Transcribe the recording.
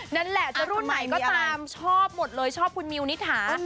นั่นแหละจะรุ่นไหนก็ตามชอบหมดเลยชอบคุณมิวนิถา